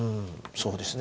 そうですね。